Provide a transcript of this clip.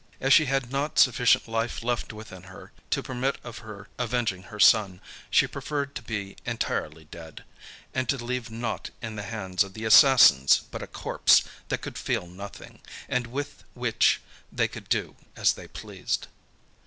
As she had not sufficient life left within her to permit of her avenging her son, she preferred to be entirely dead, and to leave naught in the hands of the assassins but a corpse that could feel nothing, and with which they could do as they pleased.